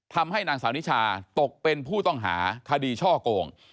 ทำให้นางสาวนิชาตกเป็นผู้ต้องหาคดีช่อโกง